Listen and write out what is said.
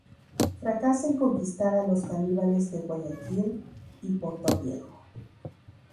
Fracasa en conquistar a los caníbales de Guayaquil y Portoviejo.